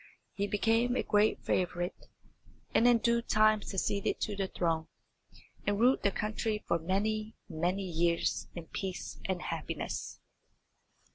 He became a great favourite, and in due time succeeded to the throne, and ruled the country for many, many years in peace and happiness.